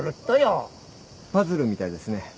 パズルみたいですね。